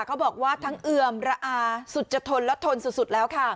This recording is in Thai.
เขาบอกว่าทั้งเอือมระอาสุจทนและทนสุดแล้วค่ะ